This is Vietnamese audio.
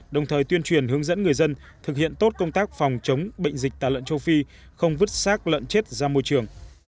đồng thời tuyên truyền hướng dẫn người dân thực hiện tốt công tác phòng chống bệnh dịch tả lợn châu phi không vứt sát lợn chết ra môi trường